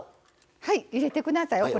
はい入れてください。